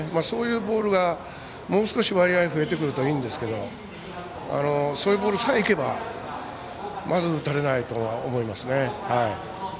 そういうボールがもう少し割合増えてくるといいんですけどそういうボールさえいけばまず打たれないとは思いますね。